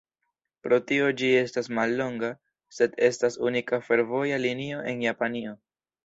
Pro tio ĝi estas mallonga, sed estas unika fervoja linio en Japanio.